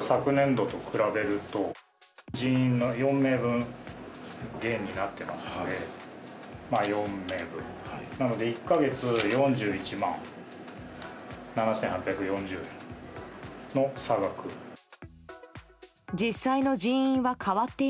昨年度と比べると人員の４名分減になっていますのでなので１か月４１万７８４０円の差額があります。